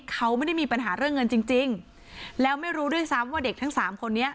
เขาไม่ได้มีปัญหาเรื่องเงินจริงจริงแล้วไม่รู้ด้วยซ้ำว่าเด็กทั้งสามคนนี้